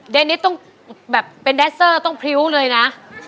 นิสต้องแบบเป็นแดนเซอร์ต้องพริ้วเลยนะ